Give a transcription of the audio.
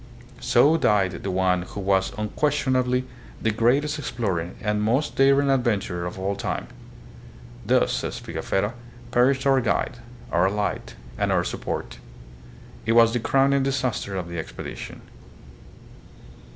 So died the one who was unquestionably the greatest explorer and most daring adventurer of all time. "Thus," says Pigafetta, "perished our guide, our light, and our support." It was the crowning disaster of the expedition.